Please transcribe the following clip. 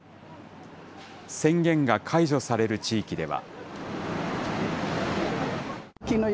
宣言が解除される地域では。